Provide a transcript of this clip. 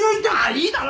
いいだろ！